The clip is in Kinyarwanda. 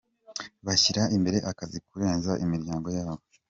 Bashyira imbere akazi kurenza imiryango yabo.